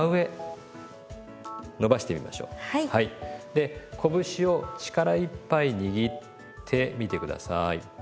でこぶしを力いっぱい握ってみて下さい。